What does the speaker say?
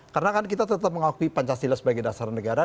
karena kan kita tetap mengakui pancasila sebagai dasar negara